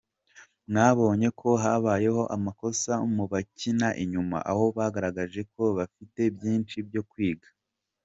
Mwabonye ko habayeho amakosa mu bakina inyuma, aho bagaragaje ko bagifite byinshi byo kwiga.